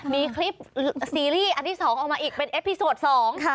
มีคลิปซีรีส์อันที่สองออกมาอีกเป็นเอฟพีโสดสองค่ะ